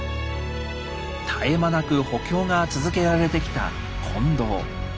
絶え間なく補強が続けられてきた金堂。